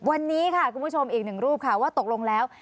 วันนี้ค่ะคุณผู้ชมอีกหนึ่งรูปค่ะว่าตกลงแล้ว